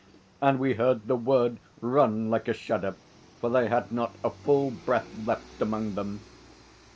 and we heard the word run like a shudder, for they had not a full breath left among them.